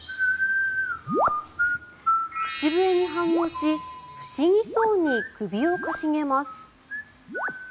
口笛に反応し不思議そうに首を傾げます。